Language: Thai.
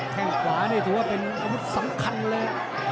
แค่งขวานี่ถือว่าเป็นอาวุธสำคัญเลย